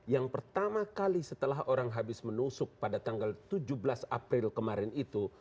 yang pertama kali setelah orang habis menusuk pada tanggal tujuh belas april kemarin itu